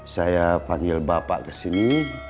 saya panggil bapak kesini